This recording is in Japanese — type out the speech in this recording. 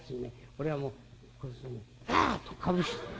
俺はもうこいつにパッとかぶした。